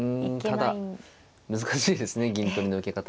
ただ難しいですね銀取りの受け方。